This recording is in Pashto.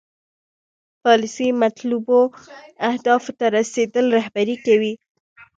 پالیسي مطلوبو اهدافو ته رسیدل رهبري کوي.